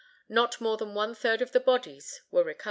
Not more than one third of the bodies were recovered.